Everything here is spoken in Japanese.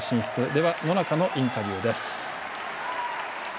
では野中のインタビューです。